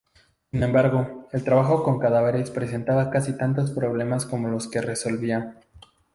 Sin embargo, el trabajo con cadáveres presentaba casi tantos problemas como los que resolvía.